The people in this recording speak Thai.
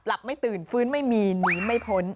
ไม่ตื่นฟื้นไม่มีหนีไม่พ้น